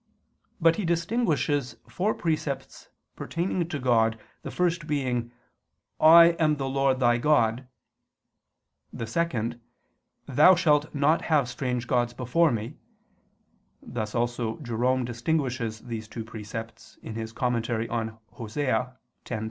But he distinguishes four precepts pertaining to God, the first being, "I am the Lord thy God"; the second, "Thou shalt not have strange gods before Me," (thus also Jerome distinguishes these two precepts, in his commentary on Osee 10:10, "On thy" [Vulg.